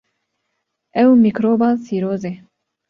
Ew mîkroba sîrozê.